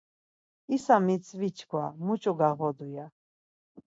İsa mitzvi çkva muç̌o gağodu ya.